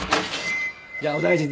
じゃあお大事に。